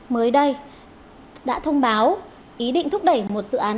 mới đây đã thông báo ý định thúc đẩy một dự án